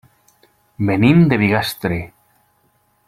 Venim de Bigastre.